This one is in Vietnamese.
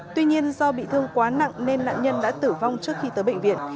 tuy nhiên do bị thương quá nặng nên nạn nhân đã tử vong trước khi tới bệnh viện